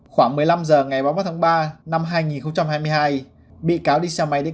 khoảng một mươi năm h ngày bốn tháng ba năm hai nghìn hai mươi hai bị cáo đi xe máy đi cây xe